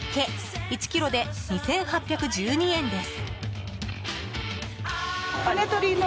１ｋｇで、２８１２円です。